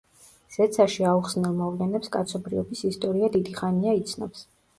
ზეცაში აუხსნელ მოვლენებს კაცობრიობის ისტორია დიდი ხანია იცნობს.